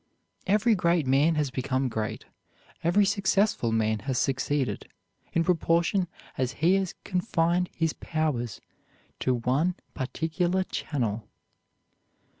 Every great man has become great, every successful man has succeeded, in proportion as he has confined his powers to one particular channel.